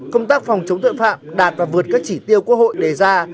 công tác phòng chống tội phạm đạt và vượt các chỉ tiêu quốc hội đề ra